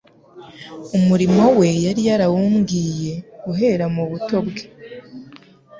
Umurimo we yari yarawubwiwe guhera mu buto bwe,